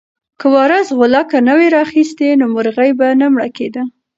که وارث غولکه نه وای راخیستې نو مرغۍ به نه مړه کېده.